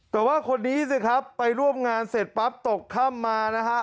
แต่ว่าคนนี้สิครับไปร่วมงานเสร็จปั๊บตกค่ำมานะฮะ